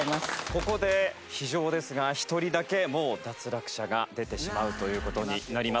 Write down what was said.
ここで非情ですが１人だけもう脱落者が出てしまうという事になります。